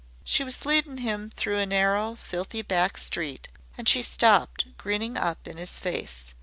'" She was leading him through a narrow, filthy back street, and she stopped, grinning up in his face.